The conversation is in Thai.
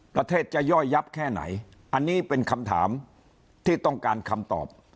ประเทศจะย่อยยับแค่ไหนอันนี้เป็นคำถามที่ต้องการคำตอบ